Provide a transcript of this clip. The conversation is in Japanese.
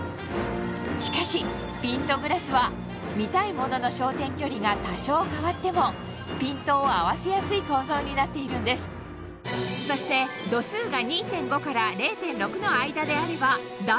しかしピントグラスは見たいものの焦点距離が多少変わってもピントを合わせやすい構造になっているんですそしてオススメ！